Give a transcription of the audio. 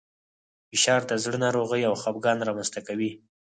فشار د زړه ناروغۍ او خپګان رامنځ ته کوي.